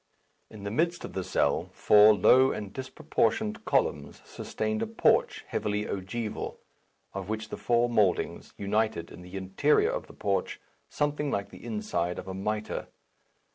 In the midst of the cell, four low and disproportioned columns sustained a porch heavily ogival, of which the four mouldings united in the interior of the porch, something like the inside of a mitre.